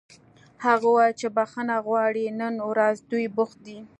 هغه وویل چې بښنه غواړي نن ورځ دوی بوخت دي